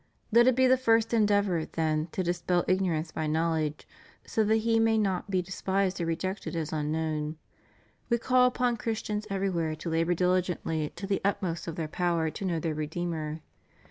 Let it be the first endeavor, then, to dispel ignorance by knowledge, so that He may not be despised or rejected as unknown. We call upon Chris tians everywhere to labor diligently to the utmost of their power to know their Redeemer.